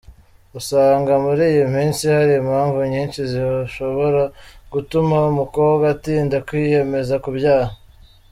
Usanga muri iyi minsi hari impamvu nyinshi zishobora gutuma umukobwa atinda kwiyemeza kubyara.